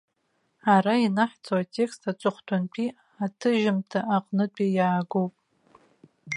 Ара ианаҳҵо атекст аҵыхәтәантәи аҭыжьымҭа аҟнытәи иаагоуп.